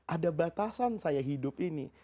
ada batasan saya hidup ini